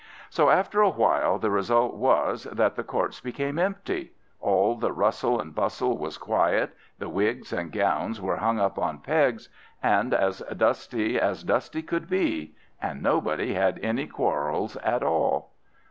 So after a while the result was, that the courts became empty; all the rustle and bustle was quiet, the wigs and gowns were hung up on pegs, and as dusty as dusty could be; and nobody had any quarrels at all.